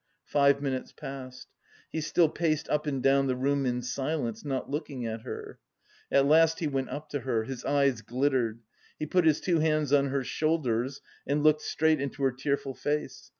Five minutes passed. He still paced up and down the room in silence, not looking at her. At last he went up to her; his eyes glittered. He put his two hands on her shoulders and looked straight into her tearful face.